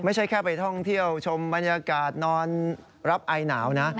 ไม่ใช่แค่ไปท่องเที่ยวชมบรรยากาศนอนรับไอหนาวนะ